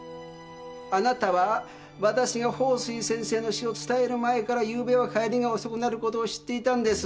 あなたはわたしが鳳水先生の死を伝える前からゆうべは帰りが遅くなることを知っていたんです。